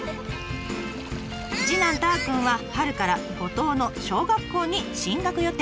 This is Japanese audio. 次男たーくんは春から五島の小学校に進学予定。